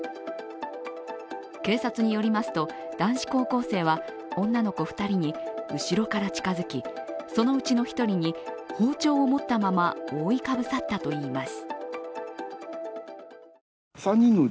警察によりますと、男子高校生は女の子２人に後ろから近づき、そのうちの１人に包丁を持ったまま覆いかぶさったといいます。